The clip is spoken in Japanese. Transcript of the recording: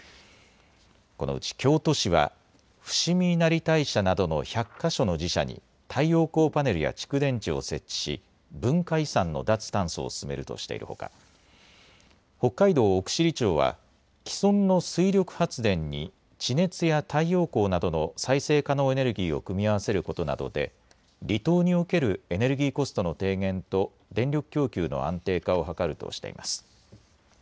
このうち京都市は伏見稲荷大社などの１００か所の寺社に太陽光パネルや蓄電池を設置し文化遺産の脱炭素を進めるとしているほか、北海道奥尻町は既存の水力発電に地熱や太陽光などの再生可能エネルギーを組み合わせることなどで離島におけるエネルギーコストの低減と電力供給の安定化を図るとしています。